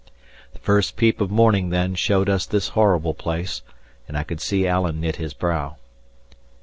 The first peep of morning, then, showed us this horrible place, and I could see Alan knit his brow.